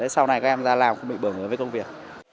sau này các em ra làm cũng bị bổng với công việc